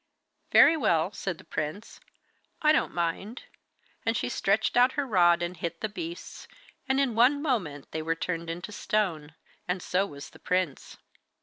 'Very well,' said the prince, 'I don't mind'; and she stretched out her rod and hit the beasts, and in one moment they were turned into stone, and so was the prince.